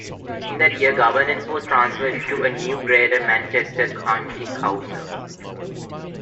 In that year governance was transferred to the new Greater Manchester County Council.